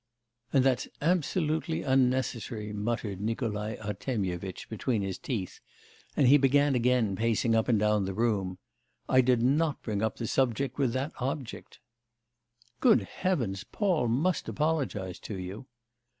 'And that's absolutely unnecessary,' muttered Nikolai Artemyevitch between his teeth, and he began again pacing up and down the room. 'I did not bring up the subject with that object.' 'Good Heavens, Paul must apologise to you.